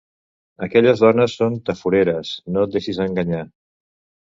Aquelles dones són tafureres, no et deixis enganyar.